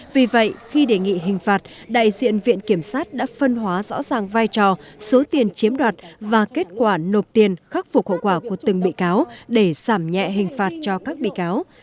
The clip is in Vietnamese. vì vậy khi đề nghị hình phạt đại diện viện kiểm sát đã phân hóa rõ ràng vai trò số tiền chiếm đoạt và kết quả nộp tiền khắc phục hậu quả của từng bị cáo để giảm nhẹ hình phạt cho các bị cáo